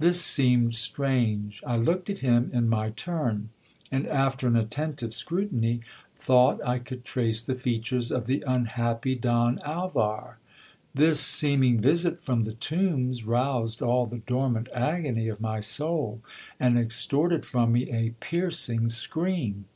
This seemed strange ! I looked at him in my turn ; and, after an attentive scrutiny, thought I could trace the features of the unhappy Don Alvar. This seeming visit from the tombs roused all the dormant agony of my soul, and extorted from me a piercing scream.